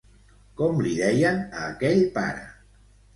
Com li deien a aquell pare?